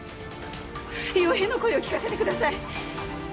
陽平の声を聞かせてください！